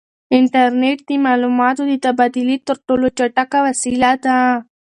انټرنیټ د معلوماتو د تبادلې تر ټولو چټکه وسیله ده.